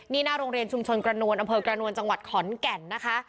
นี่หน้าโรงเรียนชุมชนกระนวลอำเภอกระนวลจังหวัดขอนแก่นนะคะ